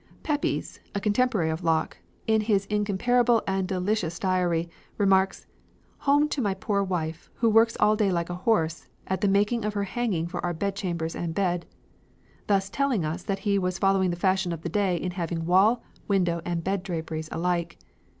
Pepys, a contemporary of Locke, in his incomparable and delicious Diary, remarks: "Home to my poor wife, who works all day like a horse, at the making of her hanging for our chamber and bed," thus telling us that he was following the fashion of the day in having wall, window, and bed draperies alike.